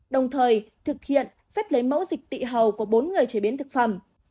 đồng thời thực hiện phép lấy mẫu dịch tị hầu của bốn người chế biến thực phẩm